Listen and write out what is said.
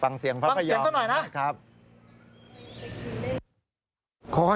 ฟังเสียงพระพยาบาลฟังเสียงสักหน่อยนะ